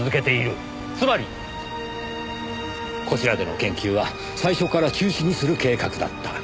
つまりこちらでの研究は最初から中止にする計画だった。